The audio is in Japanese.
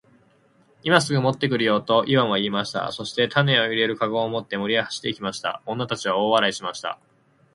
「今すぐ持って来るよ。」とイワンは言いました。そして種を入れる籠を持って森へ走って行きました。女たちは大笑いしました。